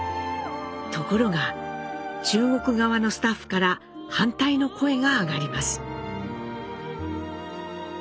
ところが中国側のスタッフから反対の声が上がります。